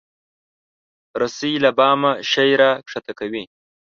رسۍ له بامه شی راکښته کوي.